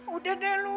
udah deh lo